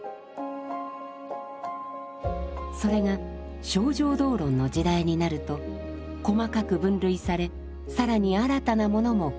それが「清浄道論」の時代になると細かく分類され更に新たなものも加わります。